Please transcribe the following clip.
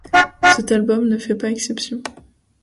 Cet album ne fait pas exception.